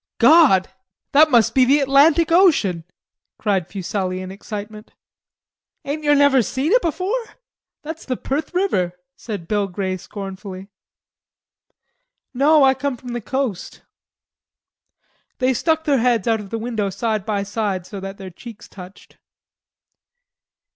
"God! that must be the Atlantic Ocean," cried Fuselli in excitement. "Ain't yer never seen it before? That's the Perth River," said Bill Grey scornfully. "No, I come from the Coast." They stuck their heads out of the window side by side so that their cheeks touched.